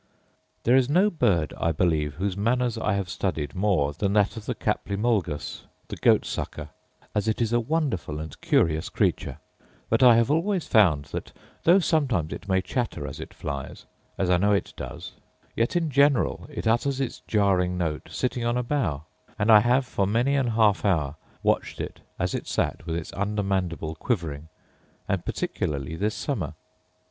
There is no bird, I believe, whose manners I have studied more than that of the caplimulgus (the goat sucker), as it is a wonderful and curious creature: but I have always found that though sometimes it may chatter as it flies, as I know it does, yet in general it utters its jarring note sitting on a bough; and I have for many an half hour watched it as it sat with its under mandible quivering, and particularly this summer.